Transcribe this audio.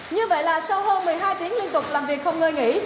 như vậy là sau hơn một mươi hai tiếng liên tục làm việc không ngơi nghỉ